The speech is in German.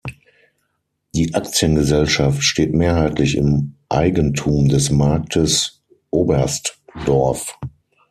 Die Aktiengesellschaft steht mehrheitlich im Eigentum des Marktes Oberstdorf.